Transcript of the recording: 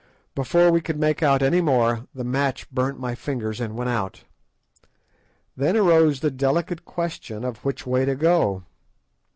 Before we could make out any more, the match burnt my fingers and went out. Then arose the delicate question of which way to go.